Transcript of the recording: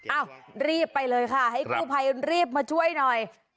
รีบไปเลยค่ะให้กู้ภัยรีบมาช่วยหน่อย